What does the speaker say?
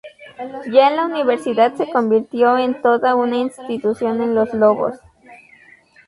Ya en la Universidad se convirtió en toda una institución en los Lobos.